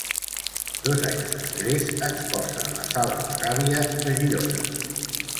Dos anys després exposa a la Sala La Gàbia de Girona.